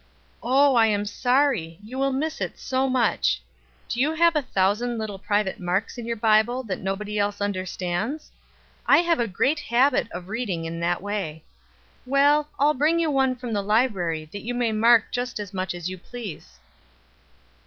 "Oh, I am sorry you will miss it so much! Do you have a thousand little private marks in your Bible that nobody else understands? I have a great habit of reading in that way. Well, I'll bring you one from the library that you may mark just as much as you please."